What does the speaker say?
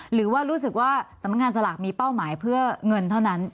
หรือว่ารู้สึกว่าสำนักงานสลากมีเป้าหมายเพื่อเงินเท่านั้น